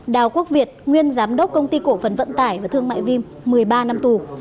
đào quốc việt nguyên giám đốc công ty cổ phần vận tải và thương mại vim một mươi ba năm tù